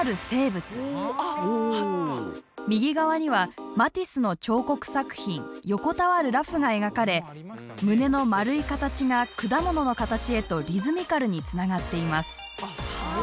右側にはマティスの彫刻作品「横たわる裸婦」が描かれ胸の丸い形が果物の形へとリズミカルにつながっています。